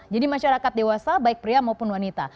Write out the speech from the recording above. jadi masyarakat dewasa baik pria maupun wanita